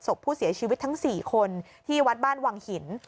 ศพผู้เสียชีวิตทั้ง๔คนที่วัดบ้านวังหิน